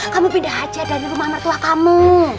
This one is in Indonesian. kamu pindah aja dari rumah mertua kamu